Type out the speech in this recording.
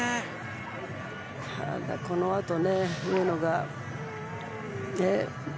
このあと、上野が。